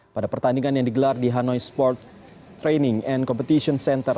pada pertandingan yang digelar di hanoi sport training and competition center